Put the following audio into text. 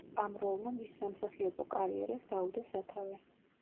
ამ როლმა მის სამსახიობო კარიერას დაუდო სათავე.